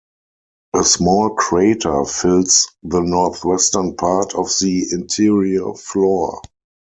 A small crater fills the northwestern part of the interior floor.